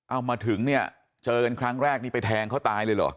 เอามาถึงเนี่ยเจอกันครั้งแรกนี่ไปแทงเขาตายเลยเหรอ